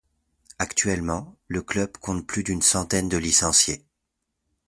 Actuellement, le club compte plus d'une centaine de licenciés.